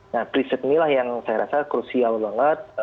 nah prinsip inilah yang saya rasa krusial banget